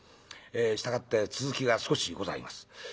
え従って続きが少しございます。